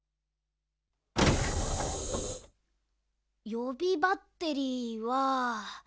よびバッテリーは。